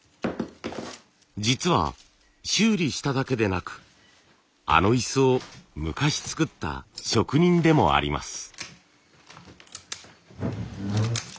実は修理しただけでなくあの椅子を昔作った職人でもあります。